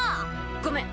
ごめん。